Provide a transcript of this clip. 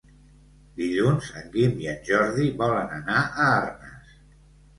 Dilluns en Guim i en Jordi volen anar a Arnes.